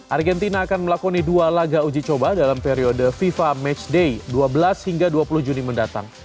argentina akan melakoni dua laga uji coba dalam periode fifa matchday dua belas hingga dua puluh juni mendatang